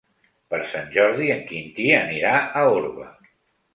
Per Sant Jordi en Quintí anirà a Orba.